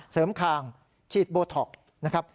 เสริมขางฉีดโบท็อกนะครับ